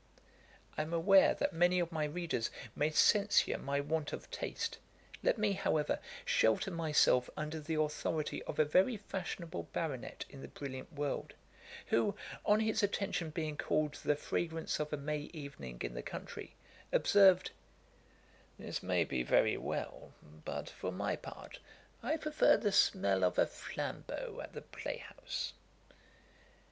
I am aware that many of my readers may censure my want of taste. Let me, however, shelter myself under the authority of a very fashionable Baronet in the brilliant world, who, on his attention being called to the fragrance of a May evening in the country, observed, 'This may be very well; but, for my part, I prefer the smell of a flambeau at the play house.' [Page 462: Auchinleck. A.D. 1763.